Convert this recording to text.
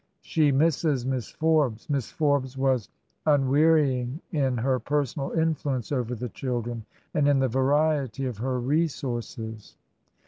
She misses Miss Forbes. Miss Forbes was unwearying in her personal influence over the children and in the variety of her resources."